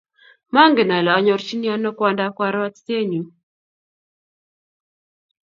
Mangen ale anyorchini ano kwondap karwatitennyu